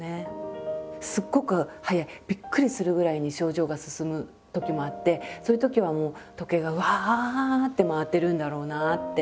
すっごく早いびっくりするぐらいに症状が進むときもあってそういうときはもう時計がうわって回ってるんだろうなって。